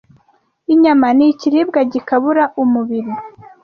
Inyama ni Ikiribwa Gikabura Umubiri